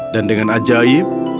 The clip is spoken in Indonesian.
dan dengan ajaib